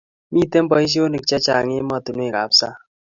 Mite boishonik checheng' emotunuekab sang